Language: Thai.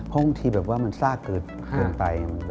พ่ออาทิตย์แบบว่ามันซ่าเกิดเกินไป